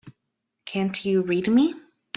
Can't you read me?